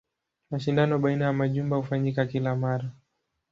Mashindano baina ya majumba hufanyika kila mara.